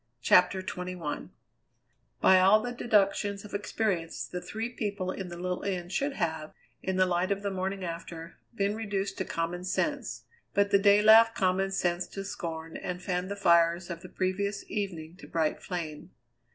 CHAPTER XXI By all the deductions of experience the three people in the little inn should have, in the light of the morning after, been reduced to common sense; but the day laughed common sense to scorn and fanned the fires of the previous evening to bright flame.